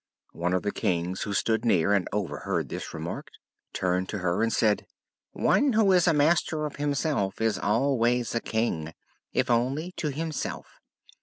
One of the Kings who stood near and overheard this remark turned to her and said: "One who is Master of himself is always a King, if only to himself.